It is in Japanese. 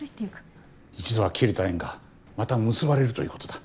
一度は切れた縁がまた結ばれるということだ。